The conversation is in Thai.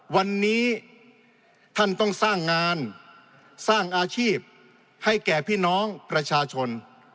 วันนี้ท่านต้องสร้างงานสร้างอาชีพให้แก่พี่น้องประชาชน